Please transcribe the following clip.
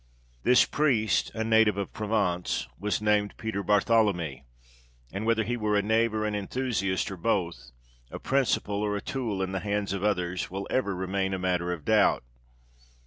This priest, a native of Provence, was named Peter Barthelemy, and whether he were a knave or an enthusiast, or both; a principal, or a tool in the hands of others, will ever remain a matter of doubt.